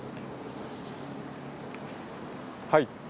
はい。